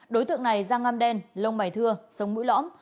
đối tượng này giang ngam đen lông mảy thưa sống mũi lõm